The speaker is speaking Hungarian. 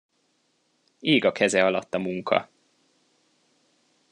Ég a keze alatt a munka.